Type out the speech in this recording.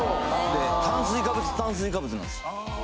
で炭水化物炭水化物なんです。